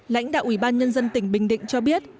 lãnh đạo ủy ban nhân dân tỉnh bình định cho biết